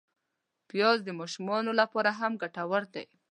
پیاز د ماشومانو له پاره هم ګټور دی